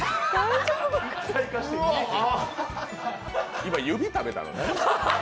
今、指食べたのね。